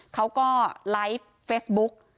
เขาก็ไลฟ์เฟซบุ๊ก